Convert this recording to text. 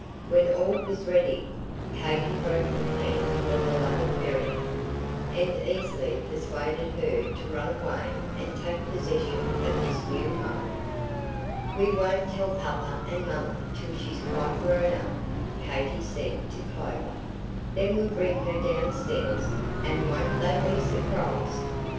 When all was ready, Katy broke the plan to her beloved Marianne, and easily persuaded her to run away and take possession of this new home. "We won't tell Papa and Mamma till she's quite grown up," Katy said to Clover; "then we'll bring her down stairs, and won't they be surprised?